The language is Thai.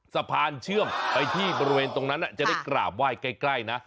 สะพานเชื่อมไปที่บริเวณตรงนั้นจะได้กราบไหว้ใกล้นะ